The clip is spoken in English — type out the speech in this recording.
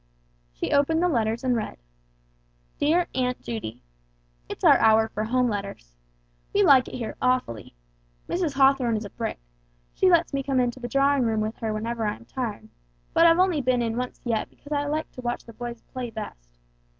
She opened the letters and read "DEAR AUNT JUDY: "It's our hour for home letters. We like it here awfully. Mrs. Hawthorn is a brick, she lets me come into the drawing room with her whenever I am tired, but I've only been in once yet because I like to watch the boys play best.